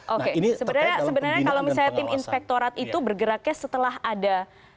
oke sebenarnya kalau misalnya tim inspektorat itu bergeraknya setelah ada